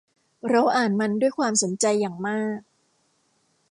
เราอ่านมันด้วยความสนใจอย่างมาก